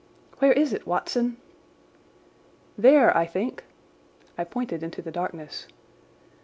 "Where is it, Watson?" "There, I think." I pointed into the darkness.